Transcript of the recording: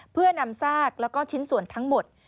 เพื่อนำซากแล้วก็ชิ้นส่วนทั้งหมด